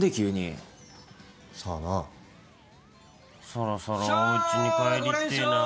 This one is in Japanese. そろそろおうちに帰りてえなぁ